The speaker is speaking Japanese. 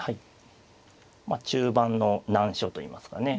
まあ中盤の難所といいますかね